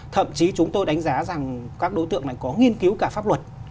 thậm chí chúng tôi đánh giá rằng các đối tượng này có nghiên cứu cả pháp luật